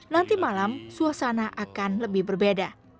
nanti malam suasana akan lebih berbeda